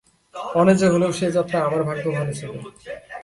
অন্যায্য হলেও সে যাত্রা আমার ভাগ্য ভালো ছিল।